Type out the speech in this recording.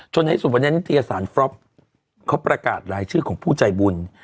จนในสุดท้ายนิทยาศาลฟรอปเขาประกาศรายชื่อของผู้ใจบุญ